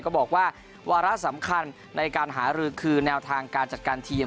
ก็บอกว่าวาระสำคัญในการหารือคือแนวทางการจัดการทีม